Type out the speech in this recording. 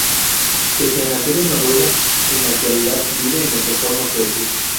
Pese a nacer en Noruega, en la actualidad vive en Estocolmo, Suecia.